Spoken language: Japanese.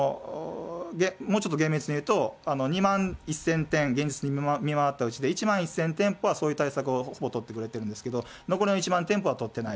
もうちょっと厳密に言うと、２万１０００店、現実に見回ったうちで、１万１０００店舗はそういう対策をほぼ取ってくれてるんですけれども、残りの１万店舗は取ってない。